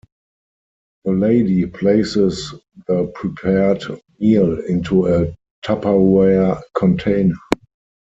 The lady places the prepared meal into a tupperware container.